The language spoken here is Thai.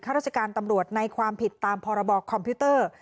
ราชการตำรวจในความผิดตามพรบคอมพิวเตอร์